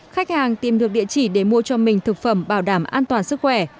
khách hàng tìm được địa chỉ để mua cho mình thực phẩm bảo đảm an toàn sức khỏe